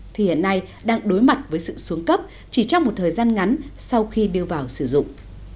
thì hiện nay đang đối mặt với sự xuống cấp chỉ trong một thời gian ngắn sau khi đưa vào sử dụng